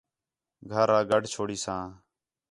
گھر آ گڈھ چھوڑیساں